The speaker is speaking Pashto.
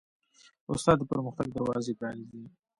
استاد د پرمختګ دروازې پرانیزي.